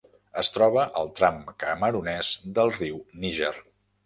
Es troba al tram camerunès del riu Níger.